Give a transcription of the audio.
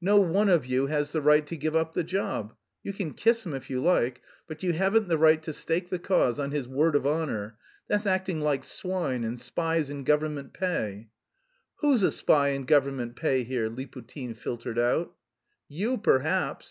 No one of you has the right to give up the job! You can kiss him if you like, but you haven't the right to stake the cause on his word of honour! That's acting like swine and spies in government pay!" "Who's a spy in government pay here?" Liputin filtered out. "You, perhaps.